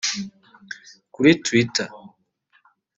Kuri Twitter